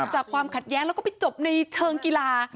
ความขัดแย้งแล้วก็ไปจบในเชิงกีฬา